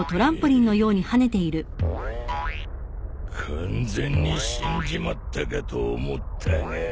完全に死んじまったかと思ったが。